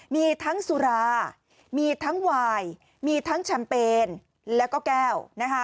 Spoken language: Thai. มีทั้งสุรามีทั้งวายมีทั้งแชมเปญแล้วก็แก้วนะคะ